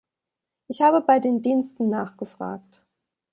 Ich habe bei den Diensten nachgefragt.